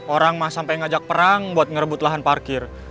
orang sampai ngajak perang buat ngerebut lahan parkir